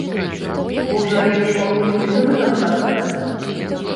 Можа, лепш пакуль не ўсё да канца казаць?